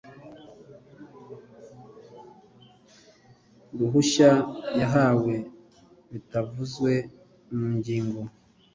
ruhushya yahawe bitavuzwe mu ngingo